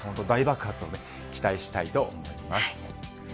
大爆発を期待したいと思います。